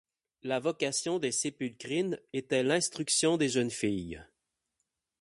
La vocation des sépulcrines était l'instruction des jeunes filles.